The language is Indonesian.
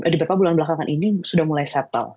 di beberapa bulan belakangan ini sudah mulai settle